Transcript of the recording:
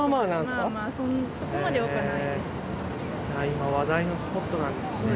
今話題のスポットなんですね。